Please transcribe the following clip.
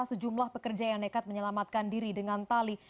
sejumlah pekerja yang nekat menyelamatkan diri dengan tali